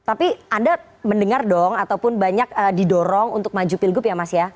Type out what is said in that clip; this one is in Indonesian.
tapi anda mendengar dong ataupun banyak didorong untuk maju pilgub ya mas ya